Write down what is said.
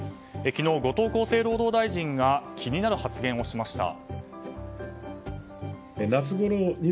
昨日、後藤厚労大臣が気になる発言をしました。